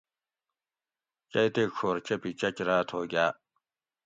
چئی تے ڄھور چۤپی چۤچ راۤت ہو گاۤ